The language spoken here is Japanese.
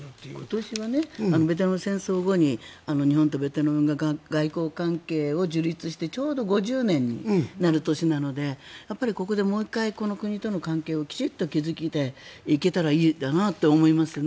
今年はベトナム戦争後に日本とベトナムが外交関係を樹立してちょうど５０年になる年なのでここでもう１回この国との関係をきちんと築いていけたらいいなと思いますね。